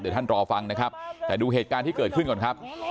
เดี๋ยวท่านรอฟังนะครับแต่ดูเหตุการณ์ที่เกิดขึ้นก่อนครับ